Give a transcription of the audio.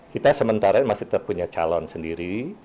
kita sementara masih punya calon sendiri